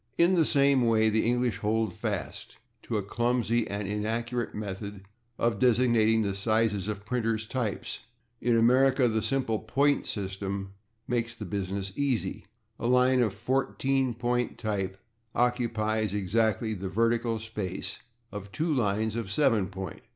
In the same way the English hold fast to a clumsy and inaccurate method of designating the sizes of printers' types. In America the simple point system makes the business easy; a line of /14 point/ type occupies exactly the vertical space of two lines of /7 point